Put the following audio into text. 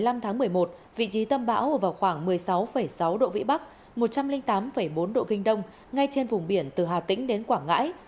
ngày một mươi năm tháng một mươi một vị trí tâm bão ở vào khoảng một mươi sáu sáu độ vĩ bắc một trăm linh tám bốn độ kinh đông ngay trên vùng biển từ hà tĩnh đến quảng ngãi